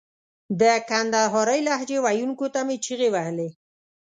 د کندهارۍ لهجې ویونکو ته مې چیغې وهلې.